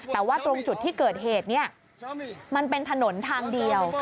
แต่ว่าตรงจุดที่เกิดเหตุเนี่ยมันเป็นถนนทางเดียว